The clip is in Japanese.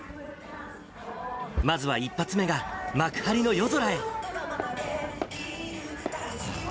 まずは１発目が幕張の夜空へ。